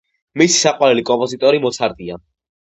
მისი საყვარელი კომპოზიტორი მოცარტია